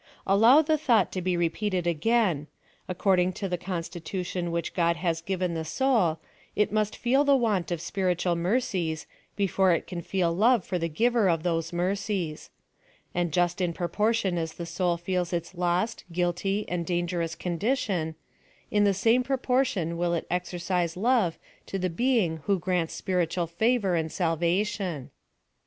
Allow the thought to be repeated again — Accord ing to the constitution which God has given the soul, it must feel the want of spiritual mercies be fore it can feel love for the giver of those mercies ; and just in proportion as the soul feelc its lost, guil ty, a'ld dangerous condition, in the same proportion will it exercise love to the being who grants spiritu al favor and salvation.